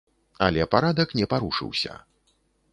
Але парадак не парушыўся.